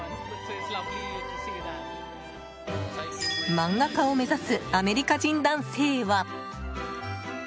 漫画家を目指すアメリカ人男性は。